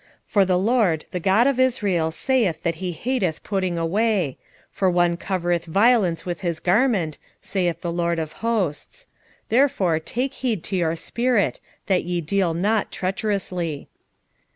2:16 For the LORD, the God of Israel, saith that he hateth putting away: for one covereth violence with his garment, saith the LORD of hosts: therefore take heed to your spirit, that ye deal not treacherously.